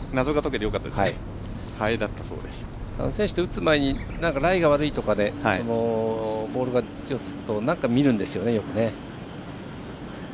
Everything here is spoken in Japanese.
選手って打つ前にライが悪いとかボールに土がつくとよく見るんですよね。